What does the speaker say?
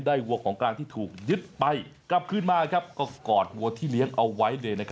ได้หัวกลางที่ถูกยึดไปกลับขึ้นมาก็ก็กอดหัวที่เลี้ยงเอาไว้